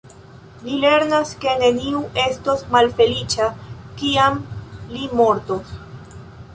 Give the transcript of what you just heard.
Li lernas ke neniu estos malfeliĉa kiam li mortos.